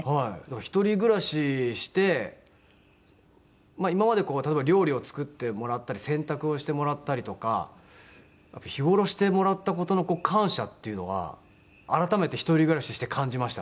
一人暮らししてまあ今まで例えば料理を作ってもらったり洗濯をしてもらったりとか日頃してもらった事の感謝っていうのは改めて一人暮らしして感じました。